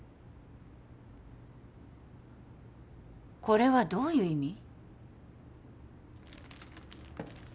これはどういう意味？